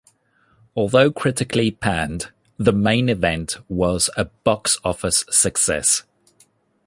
Although critically panned, "The Main Event" was a box office success.